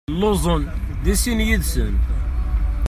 Lluẓen i sin yid-sen.